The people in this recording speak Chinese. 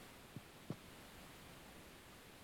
茶竿竹为禾本科茶秆竹属下的一个种。